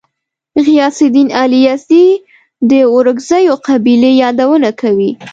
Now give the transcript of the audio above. غیاث الدین علي یزدي د ورکزیو قبیلې یادونه کوي.